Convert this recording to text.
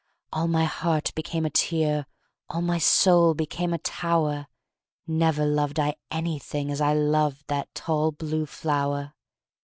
All my heart became a tear, All my soul became a tower, Never loved I anything As I loved that tall blue flower!